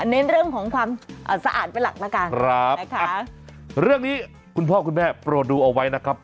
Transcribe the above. เน้นเรื่องของความสะอาดเป็นหลักแล้วกันครับนะคะเรื่องนี้คุณพ่อคุณแม่โปรดดูเอาไว้นะครับ